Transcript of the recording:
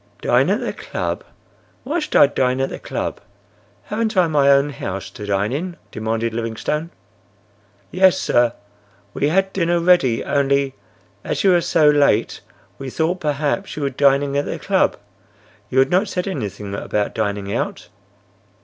"Dine at the club! Why should I dine at the club? Haven't I my own house to dine in?" demanded Livingstone. "Yes, sir. We had dinner ready, only—as you were so late we thought perhaps you were dining at the club. You had not said anything about dining out."